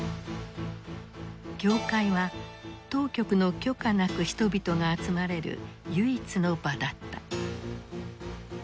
教会は当局の許可なく人々が集まれる唯一の場だった。